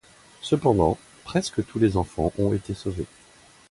Cependant, presque tous les enfants ont été sauvés.